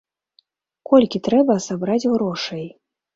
Колькі трэба сабраць грошай?